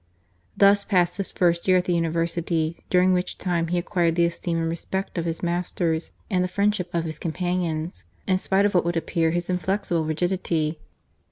Thus passed his first year at the University, •during which time he acquired the esteem and respect of his masters, and the friendship of his •companions, in spite of what would appear his inflexible rigidity.